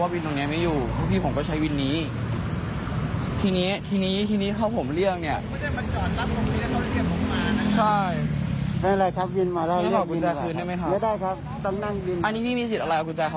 วันนี้เขาผมเรียก